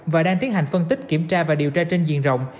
và đang tiến hành phân tích kiểm tra và điều tra trên diện rộng